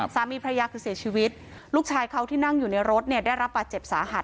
สามีพระยาคือเสียชีวิตลูกชายเขาที่นั่งอยู่ในรถเนี่ยได้รับบาดเจ็บสาหัส